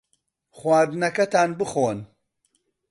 خواردنەکەتان بخۆن.